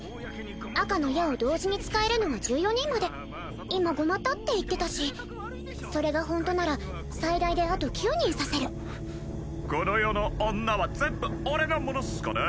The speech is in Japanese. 赤の矢を同時に使えるのは１４人まで今５股って言ってたしそれがホントなら最大であと９人刺せるこの世の女は全部俺のものっすかね